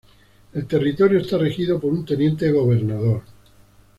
El territorio está regido por un Teniente-Gobernador.